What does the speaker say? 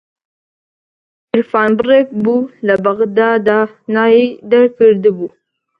گیرفانبڕێک بوو لە بەغدادا ناوی دەرکردبوو